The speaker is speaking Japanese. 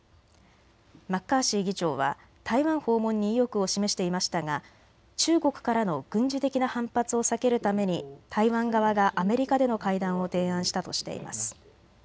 マッカーシー議長は台湾訪問に意欲を示していましたが中国からの軍事的な反発を避けるために台湾側がアメリカでの会談を提案したとしています。